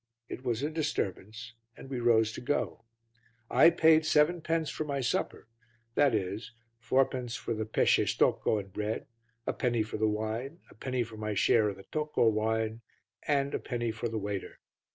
It was a disturbance and we rose to go. I paid sevenpence for my supper, i.e. fourpence for the pesce stocco and bread, a penny for the wine, a penny for my share of the tocco wine and a penny for the waiter.